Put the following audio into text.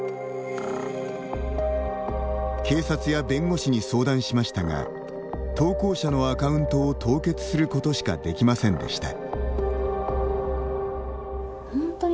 警察や弁護士に相談しましたが投稿者のアカウントを凍結することしかできませんでした。